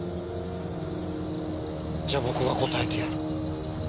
じゃあ僕が答えてやる。